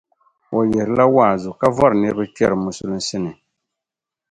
O yihirila waazu ka vɔri niriba kpɛri Musulinsi ni